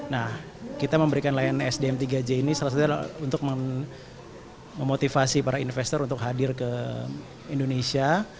nah kita memberikan layanan sdm tiga j ini salah satu untuk memotivasi para investor untuk hadir ke indonesia